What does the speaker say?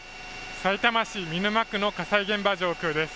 さいたま市見沼区の火災現場上空です。